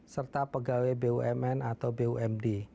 serta pegawai bumn atau bumd